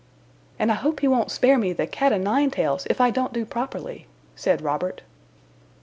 "And I hope he won't spare me the 'cat o nine tails' if I don't do properly," said Robert.